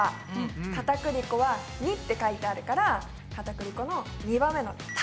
かたくり粉は②って書いてあるからかたくり粉の２番目の「た」。